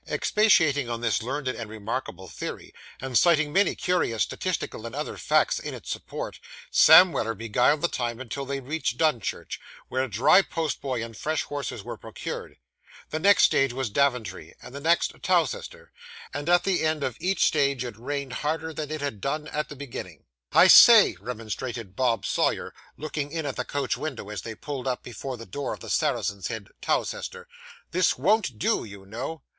Expatiating upon this learned and remarkable theory, and citing many curious statistical and other facts in its support, Sam Weller beguiled the time until they reached Dunchurch, where a dry postboy and fresh horses were procured; the next stage was Daventry, and the next Towcester; and at the end of each stage it rained harder than it had done at the beginning. 'I say,' remonstrated Bob Sawyer, looking in at the coach window, as they pulled up before the door of the Saracen's Head, Towcester, 'this won't do, you know.